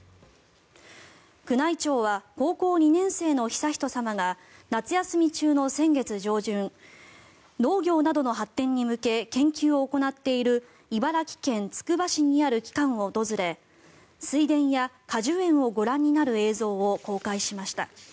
宮内庁は高校２年生の悠仁さまが夏休み中の先月上旬農業などの発展に向け研究を行っている茨城県つくば市にある機関を訪れ水田や果樹園をご覧になる映像を公開しました。